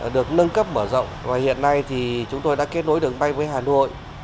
được nâng cấp mở rộng và hiện nay thì chúng tôi đã kết nối đường bay với hà nội